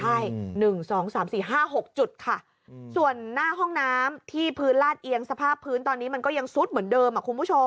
ใช่ใช่หนึ่งสองสามสี่ห้าหกจุดค่ะอืมส่วนหน้าห้องน้ำที่พื้นลาดเอียงสภาพพื้นตอนนี้มันก็ยังซุดเหมือนเดิมอ่ะคุณผู้ชม